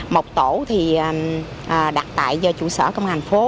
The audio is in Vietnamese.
một tổ thì đặt tại do chủ sở công an phố